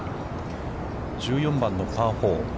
１４番のパー４。